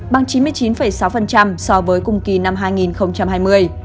bằng chín mươi chín sáu so với cùng kỳ năm hai nghìn hai mươi